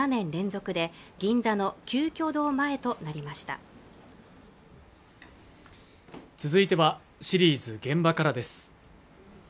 続いてはシリーズ「現場から」です